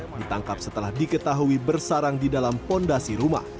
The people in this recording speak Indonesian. ditangkap setelah diketahui bersarang di dalam fondasi rumah